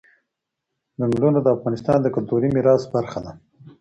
چنګلونه د افغانستان د کلتوري میراث برخه ده.